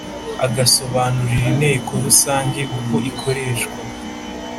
agasobanurira inteko rusange uko ikoreshwa